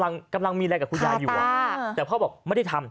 กำลังกำลังมีอะไรกับคุณยายอยู่แต่พ่อบอกไม่ได้ทำ